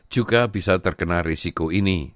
juga bisa terkena risiko ini